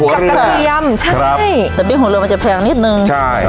พริกกับกะเด็นใช่ครับแต่ปลิกหัวเรือมันจะแพงนิดนึงใช่